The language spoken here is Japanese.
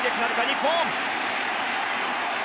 日本。